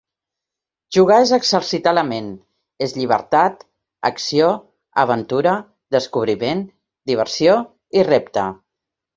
Jugar és exercitar la ment, és llibertat, acció, aventura, descobriment, diversió i repte.